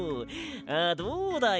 あどうだい？